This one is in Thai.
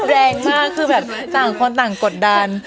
แรงมากคือแบบต่างคนต่างกดดัน